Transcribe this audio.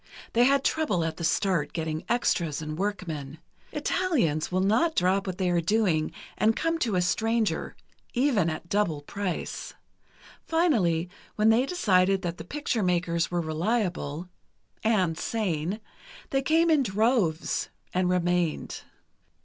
They had trouble at the start, getting extras, and workmen. Italians will not drop what they are doing and come to a stranger, even at double price. Finally, when they decided that the picture makers were reliable—and sane—they came in droves, and remained.